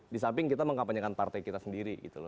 di samping kita mengkampanyekan partai kita sendiri